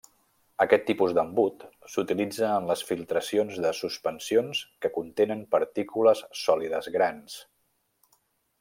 Aquest tipus d'embut s'utilitza en les filtracions de suspensions que contenen partícules sòlides grans.